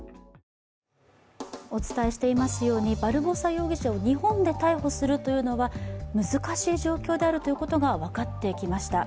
お伝えしていますようにバルボサ容疑者を日本で逮捕するというのは難しい状況であるということが分かってきました。